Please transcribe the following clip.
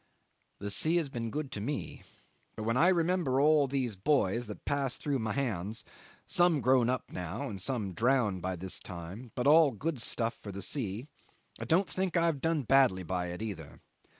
The sea has been good to me, but when I remember all these boys that passed through my hands, some grown up now and some drowned by this time, but all good stuff for the sea, I don't think I have done badly by it either.